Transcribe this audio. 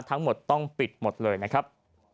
ทั้งหมดต้องปิดหมดเลยนะครับ